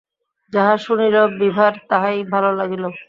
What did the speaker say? যাহা শুনিল, বিভার তাহাই ভালো লাগিল।